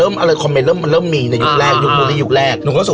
มาโคมเรนต์เริ่มมีในยุคแรกยุคมือและสุขครั้งนี้